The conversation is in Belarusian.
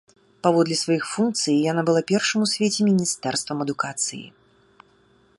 Паводле сваіх функцый яна была першым у свеце міністэрствам адукацыі.